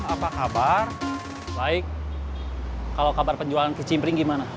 jadi kita habis habis ke lembang